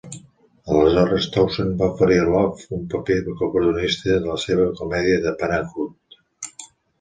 Aleshores Townsend va oferir a Love un paper coprotagonista a la seva comèdia 'The Parent 'Hood''.